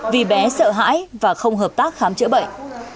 vì bé sợ hãi và không hợp tác khám chữa bệnh